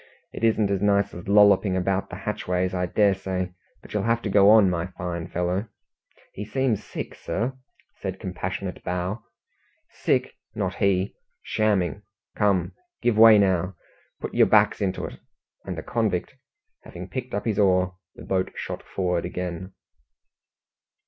It isn't as nice as lolloping about the hatchways, I dare say, but you'll have to go on, my fine fellow." "He seems sick, sir," said (with) compassionate bow. "Sick! Not he. Shamming. Come, give way now! Put your backs into it!" and the convict having picked up his oar, the boat shot forward again.